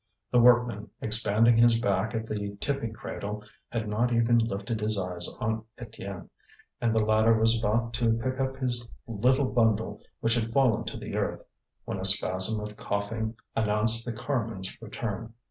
The workman, expanding his back at the tipping cradle, had not even lifted his eyes on Étienne, and the latter was about to pick up his little bundle, which had fallen to the earth, when a spasm of coughing announced the carman's return.